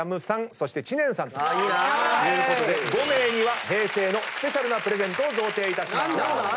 そして知念さんということで５名には平成のスペシャルなプレゼントを贈呈いたします。